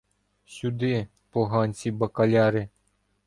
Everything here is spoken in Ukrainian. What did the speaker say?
Сюди, поганці-бакаляри!